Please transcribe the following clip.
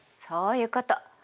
そういうこと！